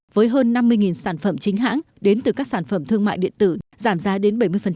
với hơn năm mươi sản phẩm chính hãng đến từ các sản phẩm thương mại điện tử giảm giá đến bảy mươi